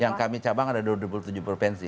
yang kami cabang ada dua puluh tujuh provinsi